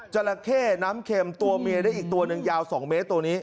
จราเข้น้ำเข็มตัวเมียได้อีกตัวหนึ่งยาว๒เมตรตัวนี้